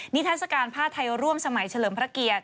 ทัศกาลผ้าไทยร่วมสมัยเฉลิมพระเกียรติ